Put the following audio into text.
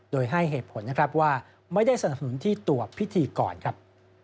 โดยให้เหตุผลนะครับว่าไม่ได้สนับสนุนที่ตัวพิธีกรครับ